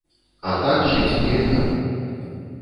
А так жыць нельга!